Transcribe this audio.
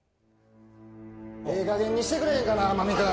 ええかげんにしてくれへんかな天海君